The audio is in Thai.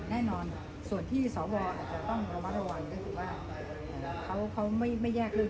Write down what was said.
แน่นอนส่วนที่อาจจะต้องระวังว่าเขาเขาไม่ไม่แยกเลย